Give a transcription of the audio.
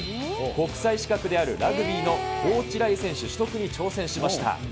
国際資格であるラグビーのコーチライセンス取得に挑戦しました。